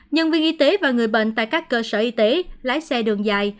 nhân viên y tế và người bệnh tại các cơ sở y tế lái xe đường dài